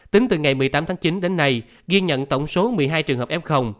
tính từ ngày một mươi tám tháng chín đến nay ghi nhận tổng số một mươi hai trường hợp f